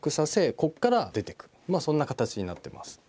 ここから出ていくまあそんな形になってます。